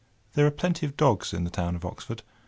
There are plenty of dogs in the town of Oxford.